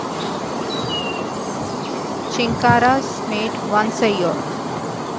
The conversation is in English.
Chinkaras mate once a year.